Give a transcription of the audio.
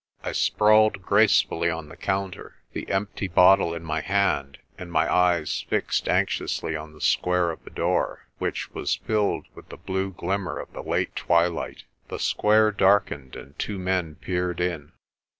I sprawled gracefully on the counter, the empty bottle in my hand and my eyes fixed anxiously on the square of the door, which was filled with the blue glimmer of the late twilight. The square darkened and two men peered in.